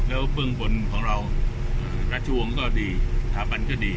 และก็เพื่องบนของเราราชวงษ์ก็ดีทาบันก็ดี